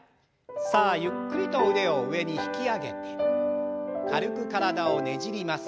さあゆっくりと腕を上に引き上げて軽く体をねじります。